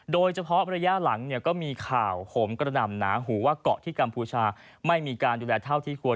โดยเฉพาะระยะหลังเนี่ยก็มีข่าวโหมกระหน่ำหนาหูว่าเกาะที่กัมพูชาไม่มีการดูแลเท่าที่ควร